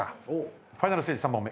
ファイナルステージ３本目。